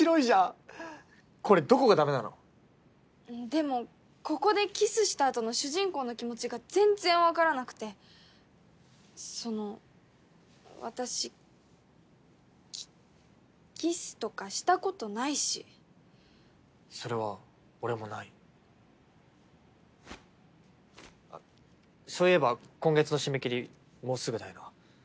でもここでキスしたあとの主人公の気持ちが全然わからなくてその私キキスとかしたことないしそれは俺もないそういえば今月の締め切りもうすぐだよな